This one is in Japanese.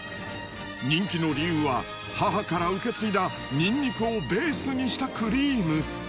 人気の理由は母から受け継いだニンニクをベースにしたクリーム